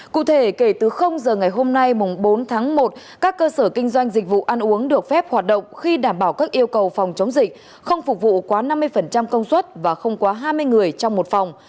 cụ thể kể từ giờ ngày hôm nay bốn tháng một các cơ sở kinh doanh dịch vụ ăn uống được phép hoạt động khi đảm bảo các yêu cầu phòng chống dịch không phục vụ quá năm mươi công suất và không quá hai mươi người trong một phòng